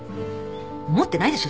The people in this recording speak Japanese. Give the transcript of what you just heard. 思ってないでしょ